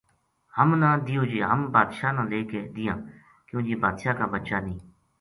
ہمنا دیوں جی ہم بادشاہ نا لے کے دیاں کیوں جی بادشاہ کا بچہ نیہہ